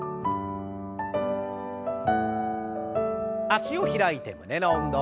脚を開いて胸の運動。